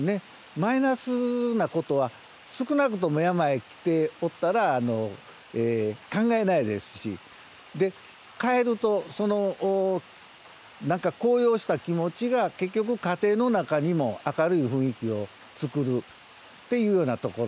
マイナスなことは少なくとも山へ来ておったら考えないですし帰るとその何か高揚した気持ちが結局家庭の中にも明るい雰囲気を作るっていうようなところ。